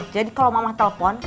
jadi kalo mama telepon